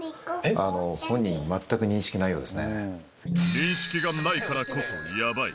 認識がないからこそやばい。